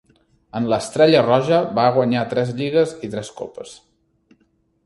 En l'Estrella Roja va guanyar tres lligues i tres copes.